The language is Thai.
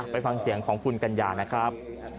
ไปฟังเสียงของคุณกัญญานะครับ